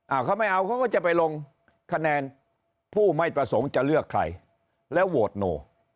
เขาไม่เอาเขาก็จะไปลงคะแนนผู้ไม่ประสงค์จะเลือกใครแล้วโหวตโน